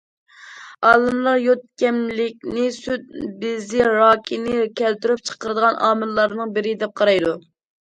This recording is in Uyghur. ئالىملار يود كەملىكنى سۈت بېزى راكىنى كەلتۈرۈپ چىقىرىدىغان ئامىللارنىڭ بىرى دەپ قارايدۇ.